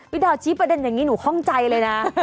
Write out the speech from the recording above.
ดาวชี้ประเด็นอย่างนี้หนูข้องใจเลยนะ